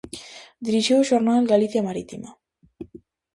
Dirixiu o xornal Galicia Marítima.